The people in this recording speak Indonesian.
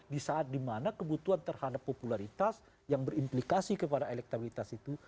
di saat dimana kebutuhan terhadap popularitas yang berimplikasi kepada elektabilitas itu